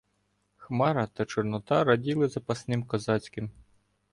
Хмара та Чорнота раділи запасним козацьким